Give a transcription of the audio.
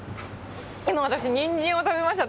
今、私、ニンジンを食べました。